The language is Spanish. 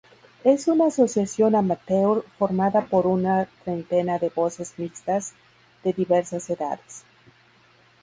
Es una asociación amateur formada por una treintena de voces mixtas de diversas edades.